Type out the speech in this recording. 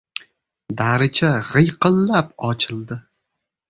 Daricha g‘iyqillab ochildi.